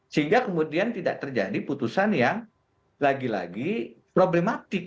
sehingga kemudian tidak terjadi putusan yang lagi lagi problematik